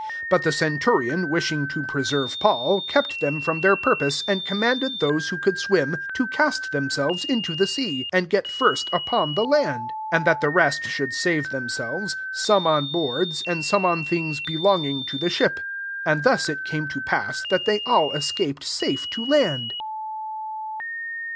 43 But the centurion, wishing to pre serve Paul, kept them from their purpose, and command ed those who could swim to cast themselves into the aea, and get first upon the land : 44 and that the rest should save themselves^ some on boards, and some on things belonging to the ship: and thus it came to pass that they all escaped safe to land.